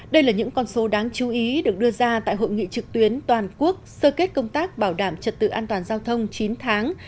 đây là những con số đáng chú ý được đưa ra tại hội nghị trực tuyến toàn quốc sơ kết công tác bảo đảm trật tự an toàn giao thông chín tháng